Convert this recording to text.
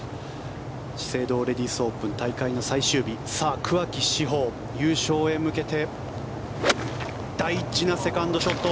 資生堂レディスオープン大会の最終日、桑木志帆優勝へ向けて大事なセカンドショット。